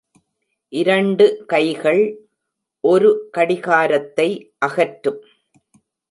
இரண்டு கைகள் ஒரு கடிகாரத்தை அகற்றும்.